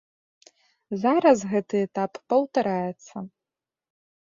Зараз гэты этап паўтараецца.